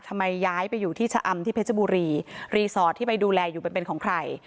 ย้ายไปอยู่ที่ชะอำที่เพชรบุรีรีสอร์ทที่ไปดูแลอยู่เป็นเป็นของใคร